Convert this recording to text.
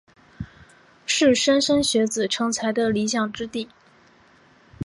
是莘莘学子成才的理想之地。